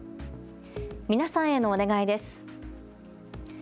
皆さんへのお願いです。